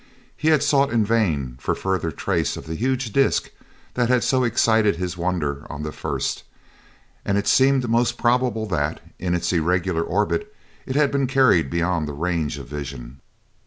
He had sought in vain for further trace of the huge disc that had so excited his wonder on the 1st, and it seemed most probable that, in its irregular orbit, it had been carried beyond the range of vision.